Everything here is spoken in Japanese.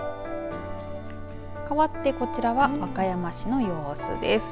かわってこちらは和歌山市の様子です。